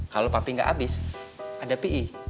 kalau papi nggak habis ada pi